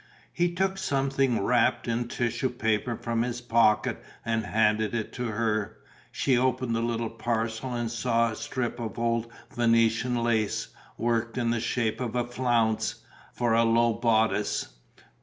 He took something wrapped in tissue paper from his pocket and handed it to her. She opened the little parcel and saw a strip of old Venetian lace, worked in the shape of a flounce, for a low bodice.